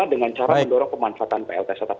dengan cara mendorong pemanfaatan pln